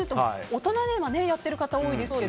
大人ではやっている方も多いですが。